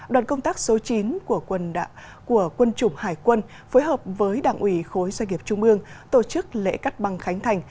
đoàn công tác số chín của quân chủng hải quân phối hợp với đảng ủy khối doanh nghiệp trung ương tổ chức lễ cắt băng khánh thành